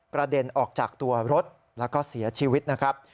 เด็นออกจากตัวรถแล้วก็เสียชีวิตนะครับ